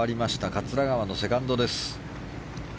桂川のセカンドです。